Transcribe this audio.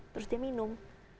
terus dia minum